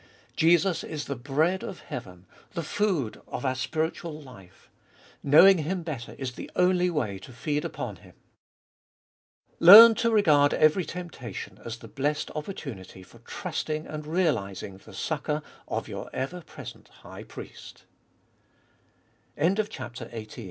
Jesus is the bread of heaven, the food of our spiritual life ; knowing Him better is the only way to feed upon Him. 4. Learn to regard every temptation as the blessed opportunity for trusting and realising the succour of your ever presen